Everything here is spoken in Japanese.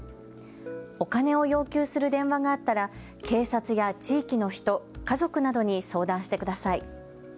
お金を要求する電話があったら警察や地域の人、家族などに相談してください。